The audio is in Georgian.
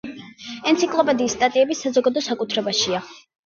ენციკლოპედიის სტატიები საზოგადო საკუთრებაშია.